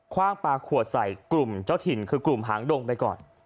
ว่างปลาขวดใส่กลุ่มเจ้าถิ่นคือกลุ่มหางดงไปก่อน